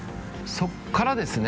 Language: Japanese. そっからですね